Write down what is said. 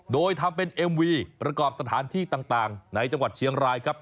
โดยทำเป็นเอ็มวีประกอบสถานที่ต่างในจังหวัดเชียงรายครับ